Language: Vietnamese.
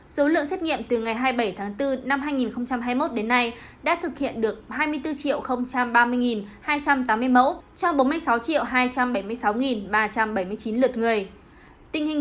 số lượng xét nghiệm từ ngày hai mươi bảy tháng bốn năm hai nghìn hai mươi một đến nay đã thực hiện được hai mươi bốn ba mươi hai trăm tám mươi mẫu trong bốn mươi sáu hai trăm bảy mươi sáu ba trăm linh